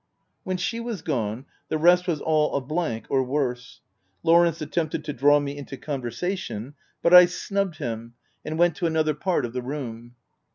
When she was gone, the rest was all a blank, or worse. Lawrence attempted to draw me into conversation, but I snubbed him, and went to another part of the room.